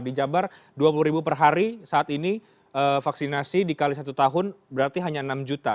di jabar dua puluh ribu per hari saat ini vaksinasi dikali satu tahun berarti hanya enam juta